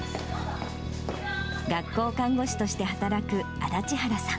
学校看護師として働く足立原さん。